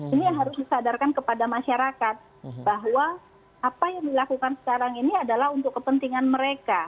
ini yang harus disadarkan kepada masyarakat bahwa apa yang dilakukan sekarang ini adalah untuk kepentingan mereka